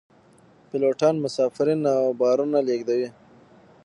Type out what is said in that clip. پیلوټان مسافرین او بارونه لیږدوي